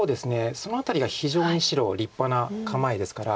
その辺りが非常に白立派な構えですから。